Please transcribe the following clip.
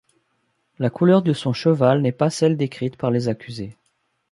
La couleur de son cheval n'est pas celle décrite par les accusés.